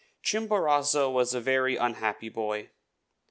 Chimborazo was a very unhappy boy.